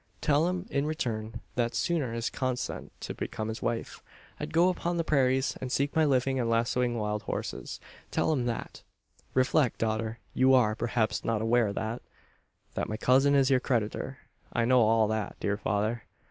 Tell him in return, that, sooner than consent to become his wife, I'd go upon the prairies and seek my living by lassoing wild horses! Tell him that!" "Reflect, daughter! You are, perhaps, not aware that " "That my cousin is your creditor. I know all that, dear father.